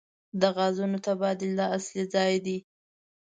د غازونو تبادله اصلي ځای دی.